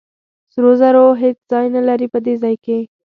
سرو زرو هېڅ ځای نه لري په دې ځای کې.